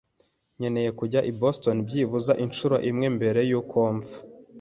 nkeneye kujya i Boston byibuze inshuro imwe mbere yuko mpfa.